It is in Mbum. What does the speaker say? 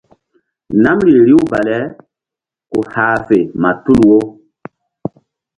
Namri riw bale ku hah fe ma tul wo.